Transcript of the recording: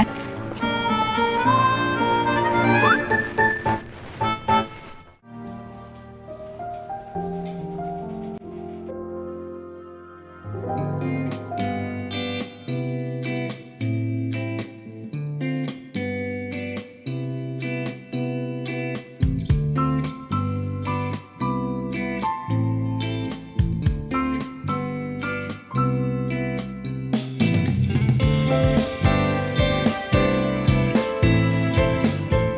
nanti saya belajar ya